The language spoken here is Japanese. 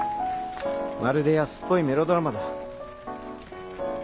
まるで安っぽいメロドラマだ。